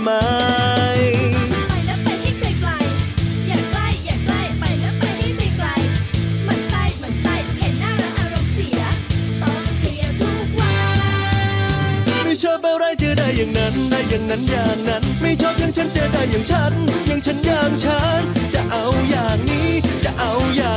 มันใกล้มันใกล้เห็นหน้าและอารมณ์เสีย